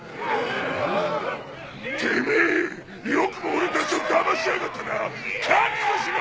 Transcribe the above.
てめえよくも俺たちをだましやがったな覚悟しろ！